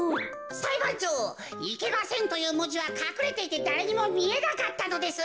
さいばんちょう「いけません」というもじはかくれていてだれにもみえなかったのです。